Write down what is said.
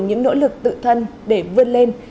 những nỗ lực tự thân để vươn lên